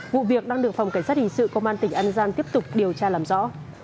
vụ việc đang được phòng cảnh sát hình sự công an tỉnh an giang tiếp tục điều tra làm rõ